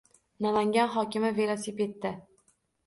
Namangan hokimi velosipedda